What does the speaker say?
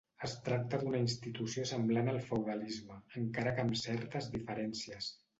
Es tracta d'una institució semblant al feudalisme, encara que amb certes diferències.